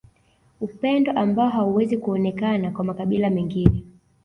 Upendo ambao hauwezi kuonekana kwa makabila mengine